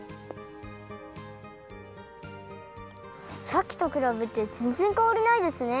さっきとくらべてぜんぜんかわりないですね。